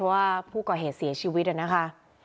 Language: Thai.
ว่าผู้ก่อเหตุเสียชีวิตนะคะ